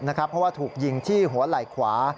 เพราะว่าถูกยิงที่หัวไหล่ขวา